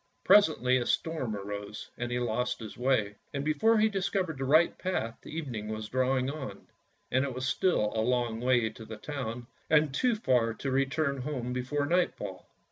Presently a storm arose, and he lost his way; and before he discovered the right path evening was drawing on, and it was still a long way to the town, and too far to return home before nightfall.